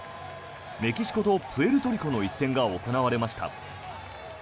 メキシコとプエルトリコの一戦が行われました。